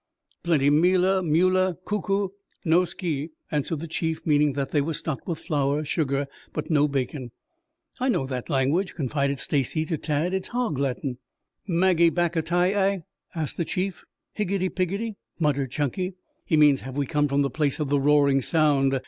"Plenty meala, meula. Kuku. No ski," answered the chief, meaning that they were stocked with flour, sugar, but no bacon. "I know that language," confided Stacy to Tad. "It's Hog Latin." "Magi back a tai a?" asked the chief. "Higgety piggety," muttered Chunky. "He means, 'have we come from the place of the roaring sound?'"